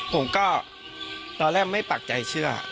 ผมก็ตอนแรกไม่ปากใจเชื่อ